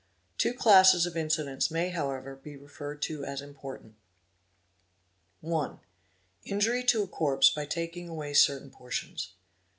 Two classes of mcidents may however be referred to as importa at. 1. Injury to a corpse by taking away certain portions.